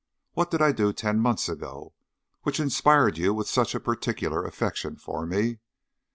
What did I do ten months ago which inspired you with such a particular affection for me?